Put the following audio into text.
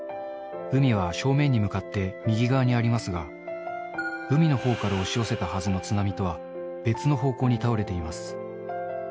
海は正面に向かって右側にありますが、海のほうから押し寄せたはずの津波とは別の方向に倒れています。